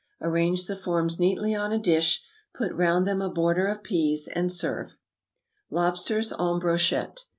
Arrange the forms neatly on a dish, put round them a border of pease, and serve. =Lobsters en Brochette.